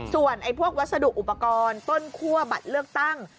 ส่วนพวกวัสดุอุปกรณ์ต้นคั่วบัตรเลือกตั้ง